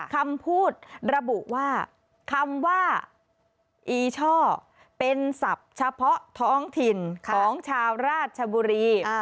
คำพูดระบุว่าคำว่าอีช่อเป็นศัพท์เฉพาะท้องถิ่นของชาวราชบุรี